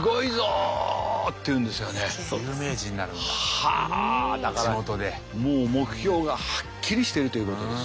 はあだからもう目標がはっきりしてるということです。